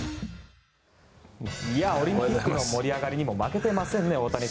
オリンピックの盛り上がりにも負けていませんね